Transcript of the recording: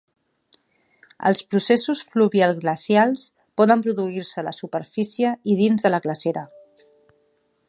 Els processos fluvial-glacials poden produir-se a la superfície i dins de la glacera.